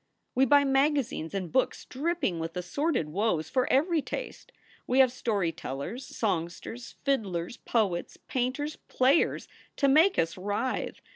We buy magazines and books dripping with assorted woes for every taste; we have story tellers, songsters, fiddlers, poets, painters, playero to make us writhe.